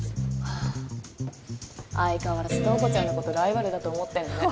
相変わらず塔子ちゃんのことライバルだと思ってんのね